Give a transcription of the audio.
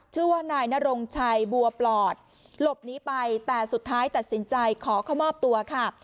ชื่อว่านายนรงชัยบัวปลอดหลบหนีไปแต่สุดท้ายตัดสินใจขอเข้ามอบตัวค่ะ